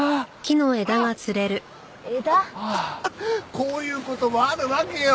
こういう事もあるわけよ。